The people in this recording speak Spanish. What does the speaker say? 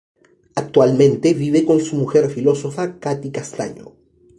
Actualmente vive con su mujer filósofa Kathy Castaño.